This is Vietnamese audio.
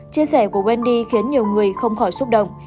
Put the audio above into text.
chia sẻ của wendy khiến nhiều người không khỏi xúc động